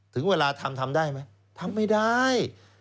ถึงเวลาทำทำได้ไหมทำไม่ได้